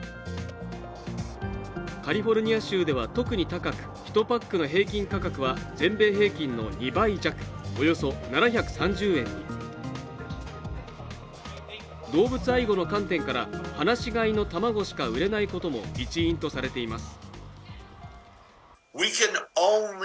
カリフォルニア州では特に高く１パックの平均価格は全米平均の２倍弱およそ７３０円に動物愛護の観点から放し飼いの卵しか売れないことも一因とされています